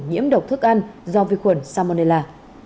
nhiễm độc thức ăn do vi khuẩn salmonella